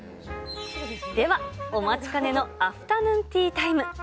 では、お待ちかねのアフタヌーンティータイム。